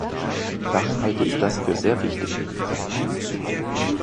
Daher halte ich das für sehr wichtig.